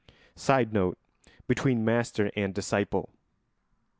[Sidenote: Between master and disciple.